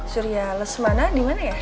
surya lesmana di mana ya